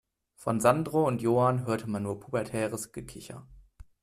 Von Sandro und Johann hörte man nur pubertäres Gekicher.